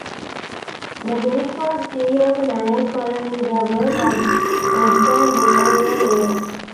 The unit was reorganized following the war, but disbanded a year later.